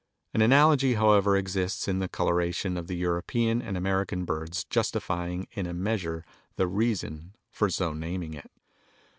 An analogy, however, exists in the coloration of the European and American birds justifying in a measure the reason for so naming it.